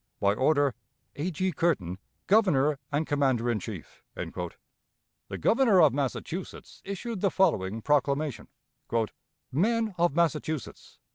By order: "A. G. CURTIN, "Governor and Commander in Chief." The Governor of Massachusetts issued the following proclamation: "_Men of Massachusetts!